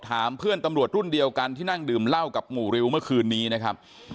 ถามเพื่อนตำรวจรุ่นเดียวกันที่นั่งดื่มเหล้ากับหมู่ริวเมื่อคืนนี้นะครับ